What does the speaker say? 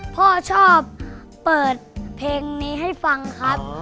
พ่อชอบเปิดเพลงนี้ให้ฟังครับ